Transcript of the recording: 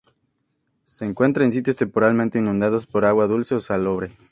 Se encuentra en sitios temporalmente inundados por agua dulce o salobre.